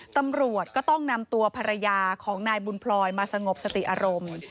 ตำรวจก็ต้องนำตัวภรรยาของนายบุญพลอยมาสงบสติอารมณ์